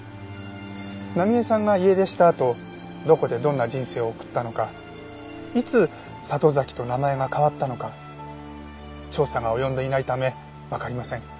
奈美絵さんが家出したあとどこでどんな人生を送ったのかいつ里崎と名前が変わったのか調査が及んでいないためわかりません。